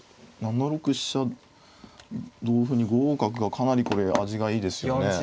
７六飛車同歩に５五角がかなりこれ味がいいですよね。